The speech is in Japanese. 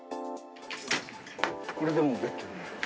これでもうベッドになる。